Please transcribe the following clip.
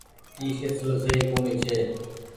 اي ڦيسلو سئي ڪونيٚ ڇي۔